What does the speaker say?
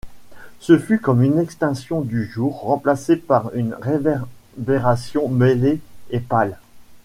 Ce fut comme une extinction du jour, remplacé par une réverbération mêlée et pâle.